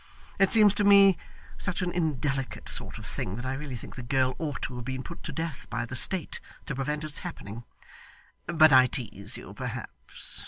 It seems to me such an indelicate sort of thing that I really think the girl ought to have been put to death by the state to prevent its happening. But I tease you perhaps.